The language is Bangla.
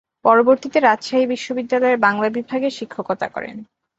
পরবর্তীতে রাজশাহী বিশ্ববিদ্যালয়ের বাংলা বিভাগে শিক্ষকতা করেন।